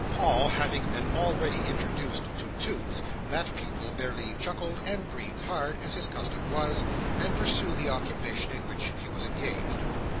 Paul having been already introduced to Toots, that pupil merely chuckled and breathed hard, as his custom was, and pursued the occupation in which he was engaged.